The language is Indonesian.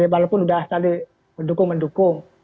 walaupun sudah saling mendukung mendukung